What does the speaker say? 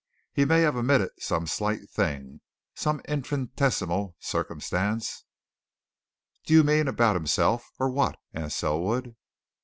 He may have omitted some slight thing, some infinitesimal circumstance " "Do you mean about himself or what?" asked Selwood.